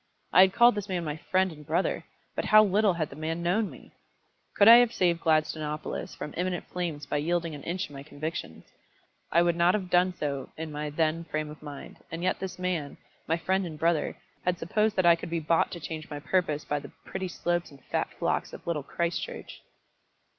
I had called this man my friend and brother, but how little had the man known me! Could I have saved all Gladstonopolis from imminent flames by yielding an inch in my convictions, I would not have done so in my then frame of mind; and yet this man, my friend and brother, had supposed that I could be bought to change my purpose by the pretty slopes and fat flocks of Little Christchurch!